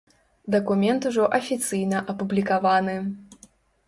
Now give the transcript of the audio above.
Дакумент ужо афіцыйна апублікаваны.